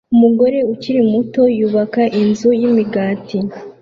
Umugore ukiri muto yubaka inzu yimigati